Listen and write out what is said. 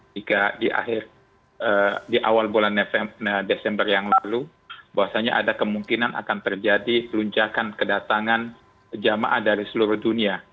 jika di akhir di awal bulan desember yang lalu bahwasannya ada kemungkinan akan terjadi luncakan kedatangan jemaah dari seluruh dunia